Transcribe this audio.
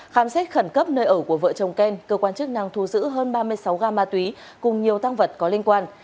khám xét khẩn cấp nơi ở của vợ chồng ken cơ quan chức năng thu giữ hơn ba mươi sáu gam ma túy cùng nhiều tăng vật có liên quan